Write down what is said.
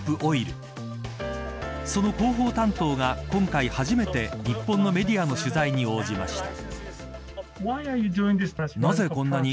その広報担当が今回、初めて日本のメディアの取材に応じました。